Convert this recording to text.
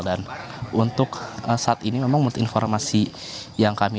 dan untuk saat ini memang menurut informasi yang kami